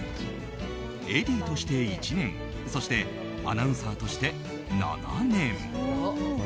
ＡＤとして１年そしてアナウンサーとして７年。